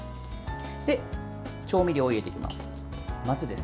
調味料を入れていきます。